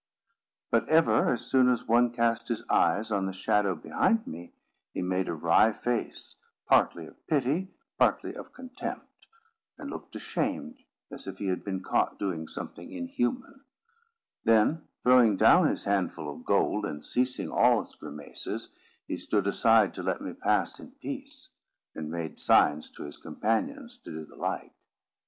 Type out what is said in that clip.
But ever, as soon as one cast his eyes on the shadow behind me, he made a wry face, partly of pity, partly of contempt, and looked ashamed, as if he had been caught doing something inhuman; then, throwing down his handful of gold, and ceasing all his grimaces, he stood aside to let me pass in peace, and made signs to his companions to do the like.